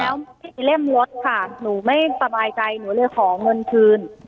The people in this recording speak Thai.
แล้วเล่มรถค่ะหนูไม่สบายใจหนูเลยขอเงินคืน